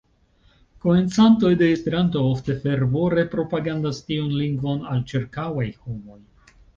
Komencantoj de Esperanto ofte fervore propagandas tiun lingvon al ĉirkaŭaj homoj.